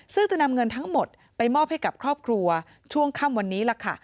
ซึ่งจะนำเงินทั้งหมดไปมอบให้กับครอบครัวช่วงค่ำวันนี้ล่ะค่ะ